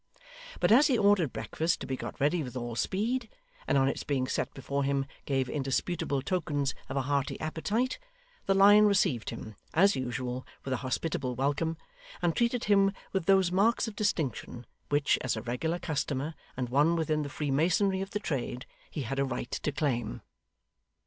But as he ordered breakfast to be got ready with all speed, and on its being set before him gave indisputable tokens of a hearty appetite, the Lion received him, as usual, with a hospitable welcome; and treated him with those marks of distinction, which, as a regular customer, and one within the freemasonry of the trade, he had a right to claim.